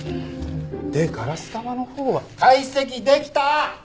でガラス玉のほうは。解析できた！